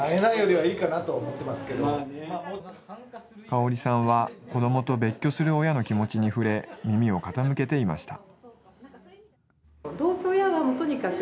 香さんは、子どもと別居する親の気持ちに触れ、耳を傾けていました。